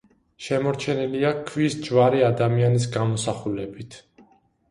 შემორჩენილია ქვის ჯვარი ადამიანის გამოსახულებით.